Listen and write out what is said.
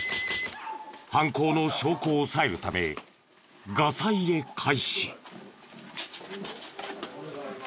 犯行の証拠を押さえるためガサ入れ開始。